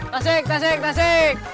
tasik tasik tasik